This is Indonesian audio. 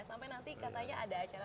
sampai nanti katanya ada acara